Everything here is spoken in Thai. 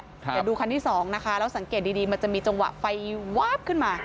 เดี๋ยวดูคันที่สองนะคะแล้วสังเกตดีมันจะมีจังหวะไฟวาบขึ้นมา